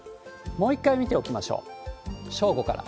もう一回見ておきましょう、正午から。